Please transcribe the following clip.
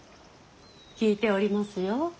聞いておりますよ。